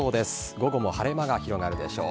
午後も晴れ間が広がるでしょう。